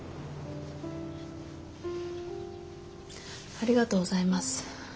ありがとうございます。